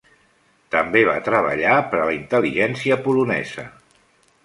També va treballar per a la intel·ligència polonesa.